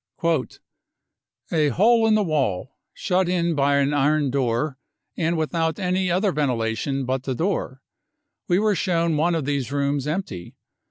<e A hole in the wall, shut in by an iron door, and without any other ventilation but the door. We were shown one of these rooms empty.